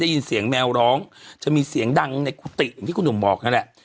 ยินแมวร้องจะมีเสียงดังในกุฏิอย่างที่คุณหนุ่มบอกนั่นแหละ